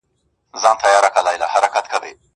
څه نعمت خالق راکړی وو ارزانه.!